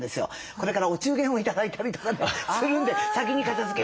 これからお中元を頂いたりとかするんで先に片づけようかなと。